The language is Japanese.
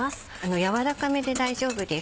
やわらかめで大丈夫です。